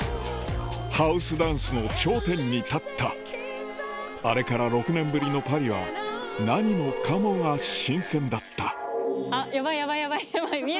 ハウスダンスの頂点に立ったあれから６年ぶりのパリは何もかもが新鮮だったあっ！